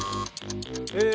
え